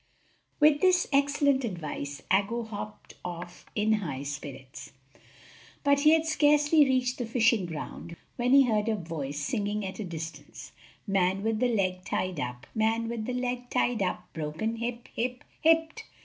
With this excellent advice, Aggo hopped off in high spirits. But he had scarcely reached the fishing ground, when he heard a voice singing at a distance:= ```Man with the leg tied up, ```Man with the leg tied up, ````Broken hip hip `````Hipped.